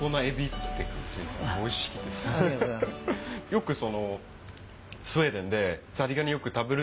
よくスウェーデンで。